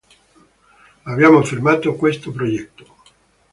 Abbiamo fermato questo progetto.